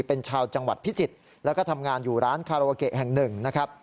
เป็นชาวจังหวัดพิจิฐแล้วก็ทำงานอยู่ร้านคารวะเกะแห่ง๑